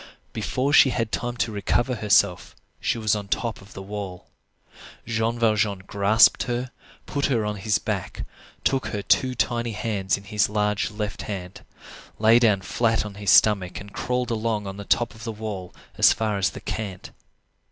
Before she had time to recover herself, she was on the top of the wall. Jean Valjean grasped her, put her on his back, took her two tiny hands in his large left hand, lay down flat on his stomach and crawled along on top of the wall as far as the cant.